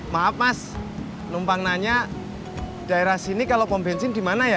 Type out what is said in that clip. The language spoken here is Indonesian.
maaf mas numpang nanya daerah sini kalau pom bensin di mana ya